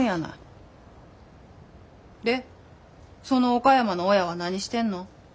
その岡山の親は何してんの？